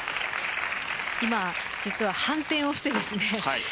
今反転をしてですね。